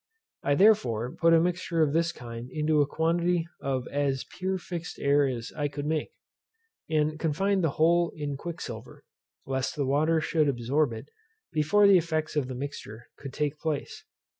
I therefore put a mixture of this kind into a quantity of as pure fixed air as I could make, and confined the whole in quicksilver, lest the water should absorb it before the effects of the mixture could take place.